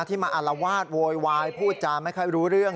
ที่มาอารวาสโวยวายพูดจาไม่ค่อยรู้เรื่อง